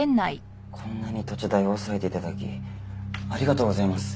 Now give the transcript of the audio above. こんなに土地代を抑えて頂きありがとうございます。